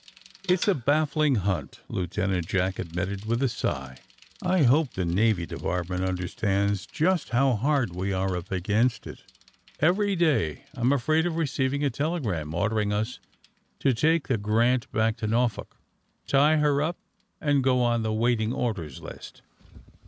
''*^ It's a baffling hunt," Lieutenant Jack admit ted, with a sigh. *^I hope the Navy Department understands just how hard we are up against it. Every day I am afraid of receiving a telegram ordering us to take the ^ Grant' back to Norfolk, tie her up and go on the waiting orders' list."